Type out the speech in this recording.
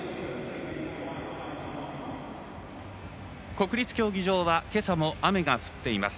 国立競技場は今朝も雨が降っています。